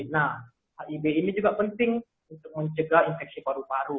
nah hib ini juga penting untuk mencegah infeksi paru paru